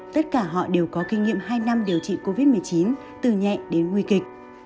tất cả họ đều có kinh nghiệm hai năm điều trị covid một mươi chín từ nhẹ đến nguy kịch